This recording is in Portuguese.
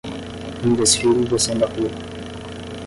Um desfile descendo a rua.